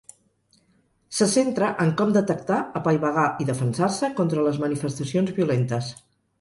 Se centra en com detectar, apaivagar i defensar-se contra les manifestacions violentes.